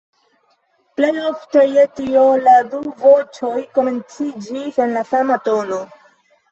Plejofte je tio la du voĉoj komenciĝis en la sama tono.